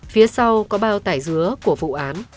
phía sau có bao tải dứa của vụ án